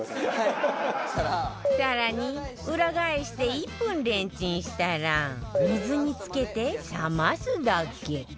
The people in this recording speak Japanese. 更に裏返して１分レンチンしたら水につけて冷ますだけ